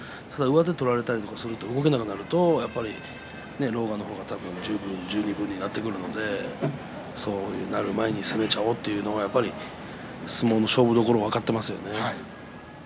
上手を取られて動けなくなると狼雅の方が十二分になってくるのでそうなる前に攻めちゃおうというのは相撲の勝負どころを分かっていますよね。